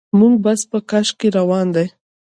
زموږ بس په کش کې روان دی.